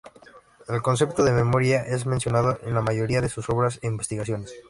El concepto de memoria es mencionado en la mayoría de sus obras e investigaciones.